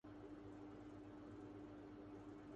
عائشہ صدیقہ رض اس مطالبہ کے ساتھ میدان میں آئیں